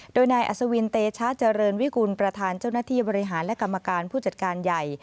โดยนายอัศวินเตชะเจริญวิกุลประธานเจ้าหน้าที่บริหารและกรรมการผู้จัดการใหญ่